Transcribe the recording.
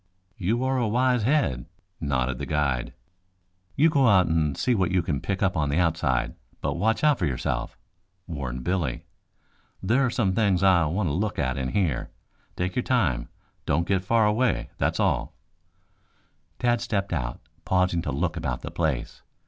"You are a wise head," nodded the guide. "You go out and see what you can pick up on the outside, but watch out for yourself," warned Billy. "There are some things I want to look at in here. Take your time. Don't get far away, that's all." Tad stepped out, pausing to look about the place.